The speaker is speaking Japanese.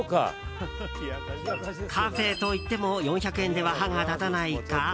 カフェといっても４００円では歯が立たないか。